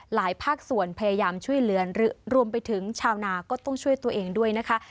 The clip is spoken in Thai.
ภาคส่วนพยายามช่วยเหลือรวมไปถึงชาวนาก็ต้องช่วยตัวเองด้วยนะคะ